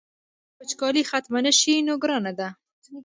که وچکالي ختمه نه شي نو ګرانه ده.